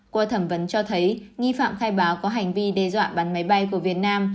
qua thẩm vấn cho thấy nghi phạm khai báo có hành vi đe dọa bắn máy bay của việt nam